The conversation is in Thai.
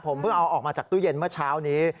ผมเพิ่งเอาออกมาจากตู้เย็นเมื่อเช้านี้